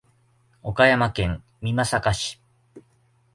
岡山県美作市